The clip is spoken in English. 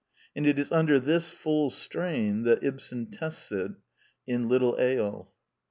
And it is under this full strain that Ibsen tests it in Little Eyolf.